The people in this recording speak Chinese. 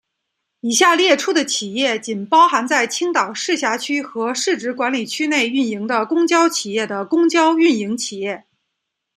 以下列出的企业仅包含在青岛市辖区和市直管理区内运营的公交企业的公交运营企业。